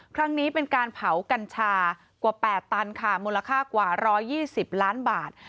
ครั้งนี้เป็นการเผากัญชากว่า๘ตันค่ะมูลค่ากว่า๑๒๐ล้านบาท